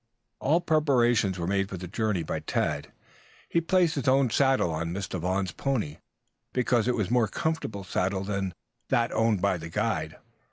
All preparations were made for the journey by Tad. He placed his own saddle on Mr. Vaughn's pony, because it was a more comfortable saddle than that owned by the guide.